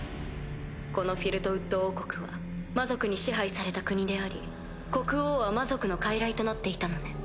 このフィルトウッド王国は魔族に支配された国であり国王は魔族の傀儡となっていたのね。